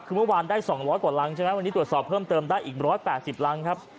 คือเมื่อวานได้๒๐๐กว่ารังใช่ไหมวันนี้ตรวจสอบเพิ่มเติมได้อีก๑๘๐รังครับ